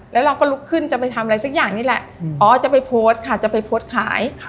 แล้วเราก็ลุกขึ้นจะไปทำอะไรสักอย่างนี้แหละอ๋อจะไปโพสต์ค่ะจะไปโพสต์ขาย